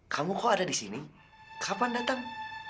kamu kok ada di sini kapan datang